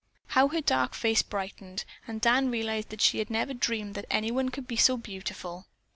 How her dark face brightened, and Dan realized that he had never dreamed that anyone could be so beautiful.